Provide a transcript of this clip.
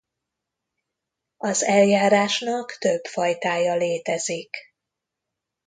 Az eljárásnak több fajtája létezik.